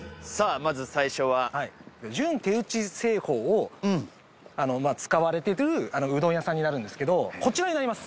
まず最初ははい純手打ち製法を使われてるうどん屋さんになるんですけどこちらになります